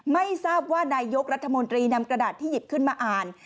ไม่ทราบว่านายกรัฐมนตรีนำกระดาษที่หยิบขึ้นมาอ่าน